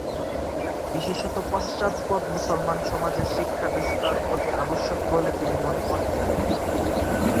বিশেষত পশ্চাৎপদ মুসলমান সমাজে শিক্ষা বিস্তার অতি আবশ্যক বলে তিনি মনে করতেন।